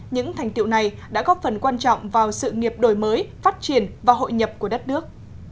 những thành tiệu này đã góp phần quan trọng vào sự nghiệp đổi mới phát triển và hội nhập của đất nước